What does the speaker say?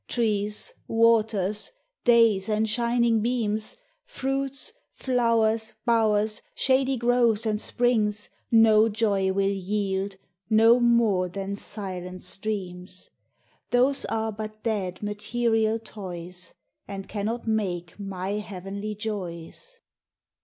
Trees, waters, days, and shining beams, Fruits, flowers, bowers, shady groves and springs, No joy will yield, no more than silent streams ; Those are but dead material toys, And cannot make my heavenly joys.